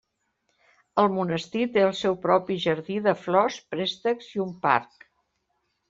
El monestir té el seu propi jardí de flors, préstecs i un parc.